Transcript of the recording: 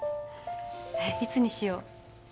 いつにしよう